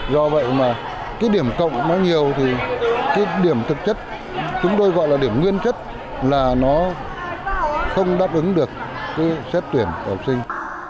do vậy mà cái điểm cộng nó nhiều thì cái điểm thực chất chúng tôi gọi là điểm nguyên chất là nó không đáp ứng được cái xét tuyển của học sinh